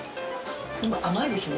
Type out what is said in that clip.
甘いですね